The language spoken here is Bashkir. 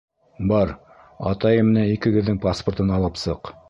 Бар, атайым менән икегеҙҙең паспортын алып сыҡ!